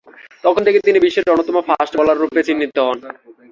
তখন থেকেই তিনি বিশ্বের অন্যতম ফাস্ট-বোলাররূপে চিহ্নিত হন।